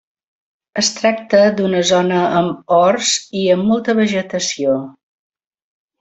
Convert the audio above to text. Es tracta d’una zona amb horts i amb molta vegetació.